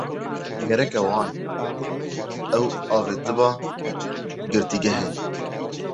Gerek e wan, ew avêtiba girtîgehê.